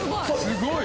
「すごい！」